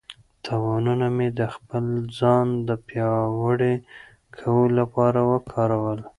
تاوانونه مې د خپل ځان د پیاوړي کولو لپاره وکارول.